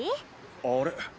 あれ？